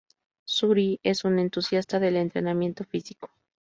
Suri es un entusiasta del entrenamiento físico.